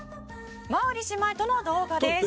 「馬瓜姉妹との動画です」